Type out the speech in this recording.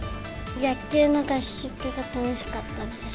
野球の合宿が楽しかったです。